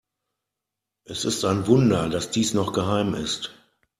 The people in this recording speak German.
Es ist ein Wunder, dass dies noch geheim ist.